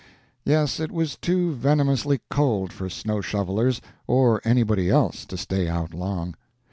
Yes, it was too venomously cold for snow shovelers or anybody else to stay out long.